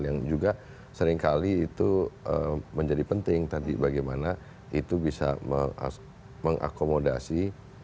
yang juga seringkali itu menjadi penting tadi bagaimana itu bisa mengakomodasi